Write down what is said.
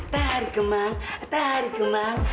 tarik kemang tarik kemang